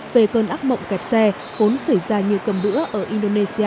về cơn ác mộng kẹt xe vốn xảy ra như cầm đũa ở indonesia